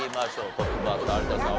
トップバッター有田さん